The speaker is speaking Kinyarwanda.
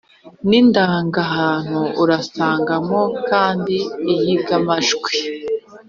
n’indangahantu. Urasangamo kandi iyigamajwi,